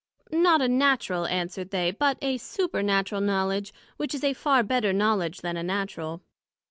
Not a Natural, answered they, but a Supernatural Knowledg, which is a far better Knowledg then a Natural.